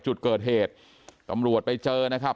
จุดเกิดเหตุตำรวจไปเจอนะครับ